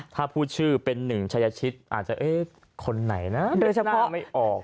ถ้าผู้ชื่อเป็นหนึ่งชายชิดอาจจะคนไหนนะหน้าไม่ออก